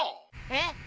えっ。